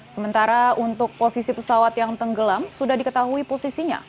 sementara untuk posisi pesawat yang tenggelam sudah diketahui posisinya